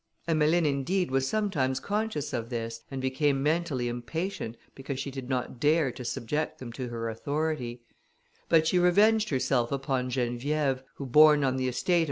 Emmeline, indeed, was sometimes conscious of this, and became mentally impatient, because she did not dare to subject them to her authority; but she revenged herself upon Geneviève, who, born on the estate of M.